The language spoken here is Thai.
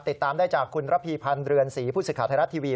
ติดตามได้จากคุณระพีพันธ์เรือนศรีผู้สื่อข่าวไทยรัฐทีวี